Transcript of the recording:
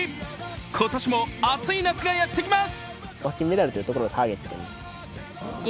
今年も熱い夏がやってきます。